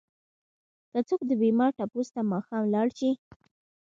که څوک د بيمار تپوس ته ماښام لاړ شي؛